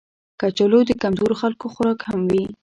کچالو د کمزورو خلکو خوراک هم وي